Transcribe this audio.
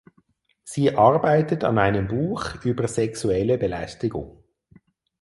Sie arbeitet an einem Buch über sexuelle Belästigung.